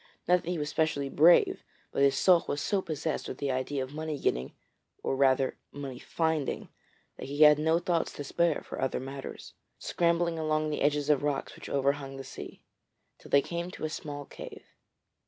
Not that he was specially brave, but his soul was so possessed with the idea of money getting or, rather, money finding that he had no thoughts to spare for other matters. He clung to Sam closely, scrambling along the edges of rocks which overhung the sea, till they came to a small cave.